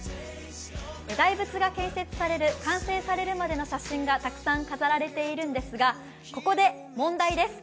大仏が建設される、完成されるまでの写真がたくさん飾られているんですが、ここで問題です。